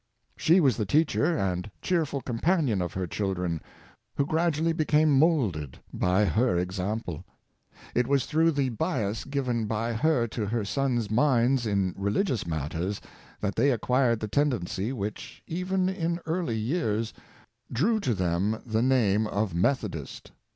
She was the teacher and cheerful companion of her children, who gradually be came moulded by her example. It was through the bias given by her to her sons' minds in religious mat ters that they acquired the tendency which, even in early years, drew to them the name of Methodist.